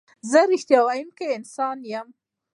زه رښتیا ویونکی انسان یم.